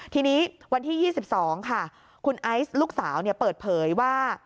ทีนี้วันที่๒๒ค่ะคุณไอซ์ลูกสาวเปิดเผยว่า